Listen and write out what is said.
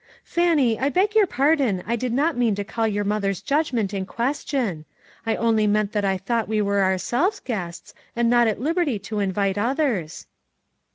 44 Fannie, I beg your pardon, I did not mean to call your mother's judgment in ques tion. I only meant that I thought we were ourselves guests and not at liberty to invite others."